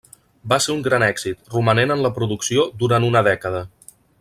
Va ser un gran èxit, romanent en la producció durant una dècada.